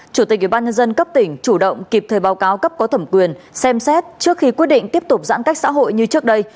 chủ tịch ủy ban nhân dân cấp tỉnh chủ động kịp thời báo cáo cấp có thẩm quyền xem xét trước khi quyết định tiếp tục giãn cách xã hội như trước đây